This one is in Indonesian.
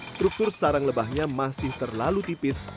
struktur sarang lebahnya masih terlalu tipis